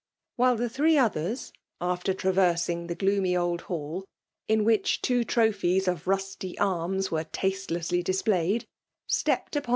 while the three others, after traiversing the gloomy old hall> in which two trophies bf rostyi arms were tastelessly displayed^ stuped upon 883 FBKAU IKNUlNATIDir.